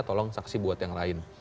tolong saksi buat yang lain